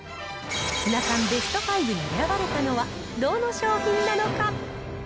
ツナ缶ベスト５に選ばれたのはどの商品なのか。